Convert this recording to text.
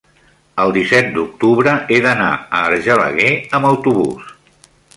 el disset d'octubre he d'anar a Argelaguer amb autobús.